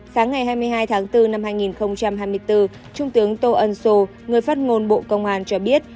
sáng ngày hai mươi hai tháng bốn năm hai nghìn hai mươi bốn trung tướng tô ân sô người phát ngôn bộ công an cho biết